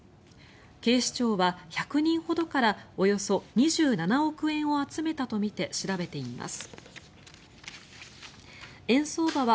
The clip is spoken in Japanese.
警視庁は１００人ほどからおよそ２７億円を集めたとみて調べています。